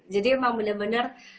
jadi emang bener bener